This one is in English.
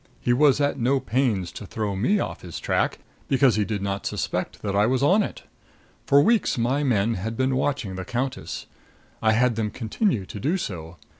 He was at no pains to throw me off his track, because he did not suspect that I was on it. For weeks my men had been watching the countess. I had them continue to do so.